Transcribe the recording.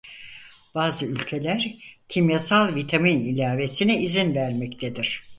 Bazı ülkeler kimyasal vitamin ilavesine izin vermektedir.